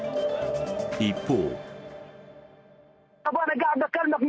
一方。